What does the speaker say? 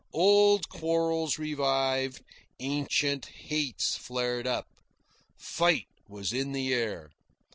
Old quarrels revived, ancient hates flared up. Fight was in the air.